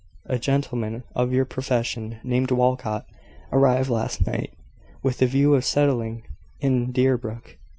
A gentleman of your profession, named Walcot, arrived last night, with a view to settling in Deerbrook.